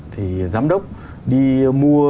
thì giám đốc đi mua